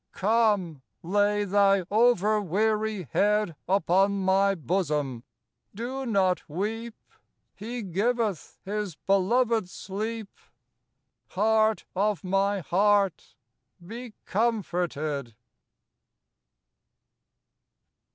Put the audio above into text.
Come, lay thy over weary head Upon my bosom! Do not weep! "He giveth His beloved sleep." Heart of my heart, be comforted.